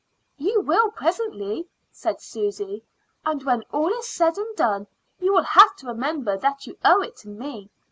"You will presently," said Susy. "And when all is said and done, you will have to remember that you owe it to me.